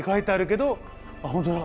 あっ本当だ。